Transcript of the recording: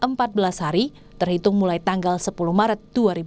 empat belas hari terhitung mulai tanggal sepuluh maret dua ribu dua puluh